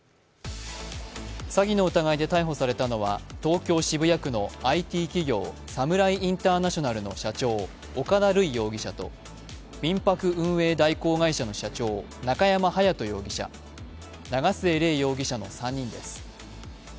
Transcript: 詐欺の疑いで逮捕されたのは東京・渋谷区のＩＴ企業、サムライ・インターナショナルの社長、岡田塁容疑者と民泊運営代行会社の社長中山勇人容疑者、長末嶺容疑者の３人です。